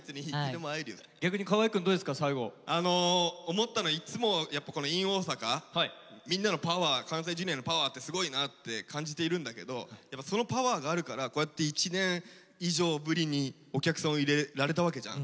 思ったのはいっつもこの「ｉｎ大阪」みんなのパワー関西Ｊｒ．のパワーってすごいなって感じているんだけどやっぱそのパワーがあるからこうやって１年以上ぶりにお客さんを入れられたわけじゃん。